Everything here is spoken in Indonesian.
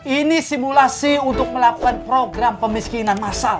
ini simulasi untuk melakukan program pemiskinan masal